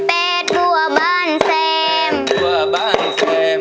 แปดบัวบานแซม